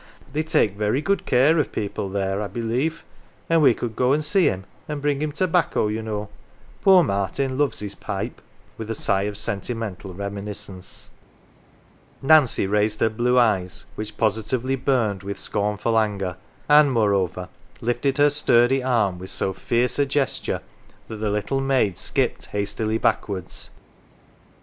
They take very good care of people there, I believe, and we could go and see him and bring him tobacco, you know. Poor Martin loves his pipe 11 with a sigh of sentimental reminiscence. Nancy raised her blue eyes, which positively burned with scornful anger, and, moreover, lifted her sturdy arm with so fierce a gesture that the little maid skipped hastily backwards.